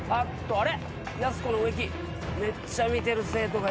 あれ？